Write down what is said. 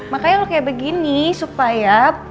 makanya kalau kayak begini supaya